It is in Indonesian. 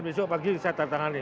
besok pagi saya tertangani ya